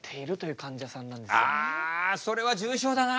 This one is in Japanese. あそれは重症だな。